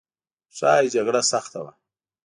ښایي جګړه سخته وه.